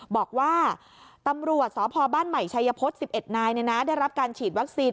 บอกว่าตำรวจสพบ้านใหม่ชัยพฤษ๑๑นายได้รับการฉีดวัคซีน